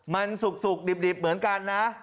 มันสุกดิบเหมือนกันนะ